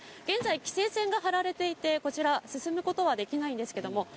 現在、規制線が張られていて、こちら進むことはできないんですけれども。